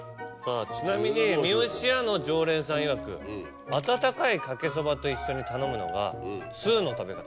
ちなみにみよしやの常連さんいわく温かいかけそばと一緒に頼むのが通の食べ方。